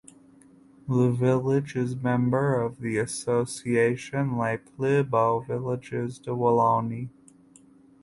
The village is member of the association Les Plus Beaux Villages de Wallonie.